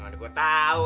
gak ada gue tau